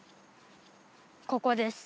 ここです。